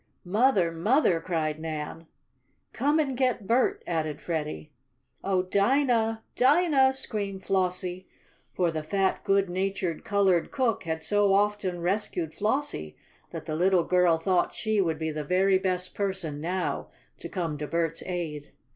"Mother! Mother!" cried Nan. "Come and get Bert!" added Freddie. "Oh, Dinah! Dinah!" screamed Flossie, for the fat, good natured colored cook had so often rescued Flossie that the little girl thought she would be the very best person, now, to come to Bert's aid.